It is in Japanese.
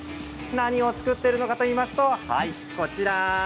何を作っているのかといいますとこちらです。